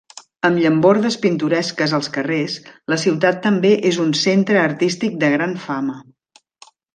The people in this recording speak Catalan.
Amb llambordes pintoresques als carrers, la ciutat també és un centre artístic de gran fama.